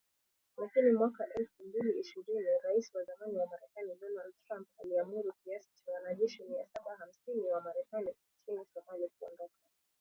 Lakini mwaka elfu mbili ishirini, Rais wa zamani wa Marekani Donald Trump aliamuru kiasi cha wanajeshi mia saba hamsini wa Marekani nchini Somalia kuondoka